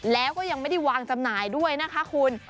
แล้วก็ยังไม่ได้วางจำหน่ายด้วยนะคะคุณ